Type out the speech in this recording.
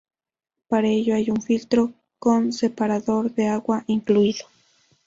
Para ello hay un filtro con separador de agua incluido.